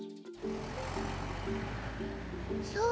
そう。